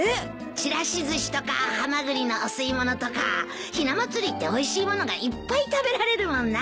ちらしずしとかハマグリのお吸い物とかひな祭りっておいしい物がいっぱい食べられるもんなあ。